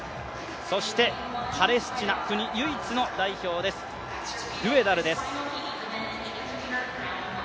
そしてパレスチナ国唯一の代表です、ドウェダルです